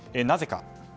なぜか。